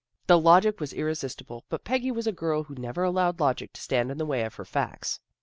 " The logic was irresistible, but Peggy was a girl who never allowed logic to stand in the way of her facts.